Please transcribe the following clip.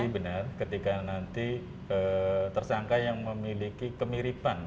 benar ketika nanti tersangka yang memiliki kemiripan